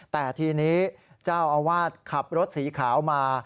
แต่ทีนี้เจ้าอาวาสขับรถสีขาวมา